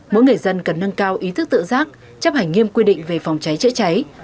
mỗi người dân cần nâng cao ý thức tự giác chấp hành nghiêm quy định về phòng cháy chữa cháy